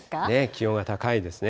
気温が高いですね。